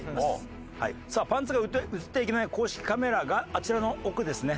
さあパンツが映ってはいけない公式カメラがあちらの奥ですね。